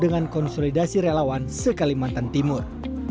dengan konsolidasi relawan se kalimantan timur